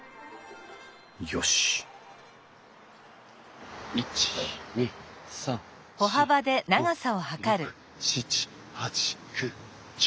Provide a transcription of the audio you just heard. よし１２３４５６７８９１０。